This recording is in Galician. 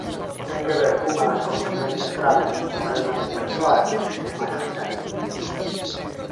Ten que ver cunha das consecuencias graves dos problemas de persoal no sistema sanitario.